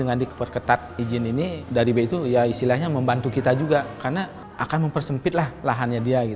dengan diperketat izin ini dari b itu ya istilahnya membantu kita juga karena akan mempersempitlah lahannya dia